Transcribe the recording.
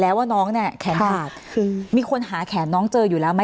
แล้วว่าน้องเนี่ยแขนขาดคือมีคนหาแขนน้องเจออยู่แล้วไหม